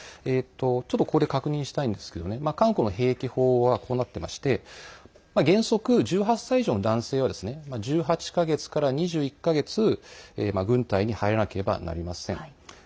ちょっとここで確認したいんですけど韓国の兵役法はこうなってまして原則、１８歳以上の男性は１８か月から２１か月軍隊に入らなければなりません。